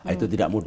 itu tidak mudah